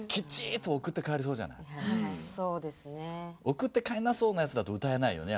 送って帰んなそうなやつだと歌えないよね